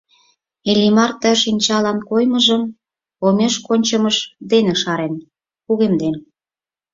Иллимар ты шинчалан коймыжым омеш кончымыж дене шарен, кугемден.